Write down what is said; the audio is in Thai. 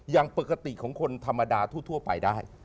อย่างปกติของคนธรรมดาทั่วไปได้